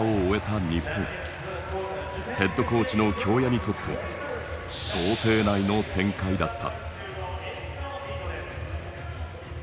ヘッドコーチの京谷にとって想定内の展開だった。